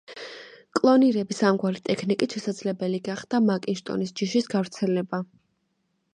კლონირების ამგვარი ტექნიკით შესაძლებელი გახდა მაკინტოშის ჯიშის გავრცელება.